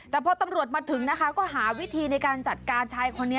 แต่พอตำรวจมาถึงนะคะก็หาวิธีในการจัดการชายคนนี้